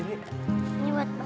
ini buat om